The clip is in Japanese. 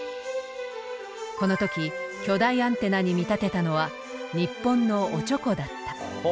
この時巨大アンテナに見立てたのは日本のおちょこだった。